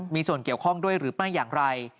มีส่วนเกี่ยวข้องด้วยหรือไม่อย่างไร